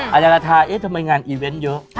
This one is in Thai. อาจารย์กระทาทำไมงานอีเวนต์เยอะ